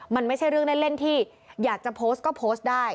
มันไม่ใช่เรื่องเล่นที่อยากจะโพสต์ก็โพสต์ได้